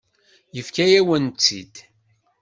Yefka-yawen-tt-id.